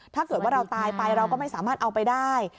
ถ้าเกิดว่าเราตายไปเราก็ไม่สามารถเอาไปได้